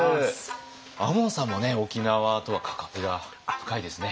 亞門さんも沖縄とは関わりが深いですね。